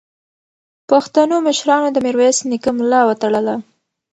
پښتنو مشرانو د میرویس نیکه ملا وتړله.